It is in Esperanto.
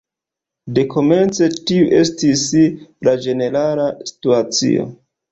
Dekomence tiu estis la ĝenerala situacio.